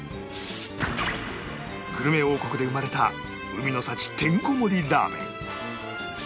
グルメ王国で生まれた海の幸てんこ盛りラーメン